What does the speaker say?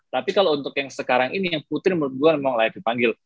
tapi kalau untuk yang sekarang ini yang putri menurut gue memang layak dipanggil